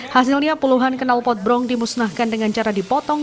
hasilnya puluhan kenal potbrong dimusnahkan dengan cara dipotong